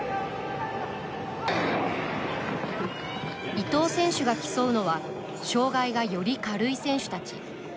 伊藤選手が競うのは障がいが、より軽い選手たち。